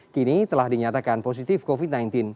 kini telah dinyatakan positif covid sembilan belas